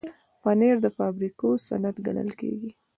پنېر د فابریکو صنعت ګڼل کېږي.